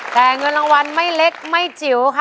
แต่เงินรางวัลไม่เล็กไม่จิ๋วค่ะ